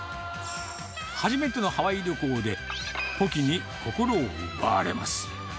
初めてのハワイ旅行で、ポキに心を奪われます。